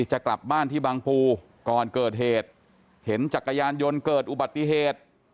จะกลับบ้านที่บางภูก่อนเกิดเหตุเห็นจักรยานยนต์เกิดอุบัติเหตุ